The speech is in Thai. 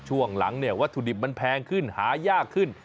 ช่วงหลังเนี่ยวัตถุดิบมันแพงขึ้นหายากขึ้น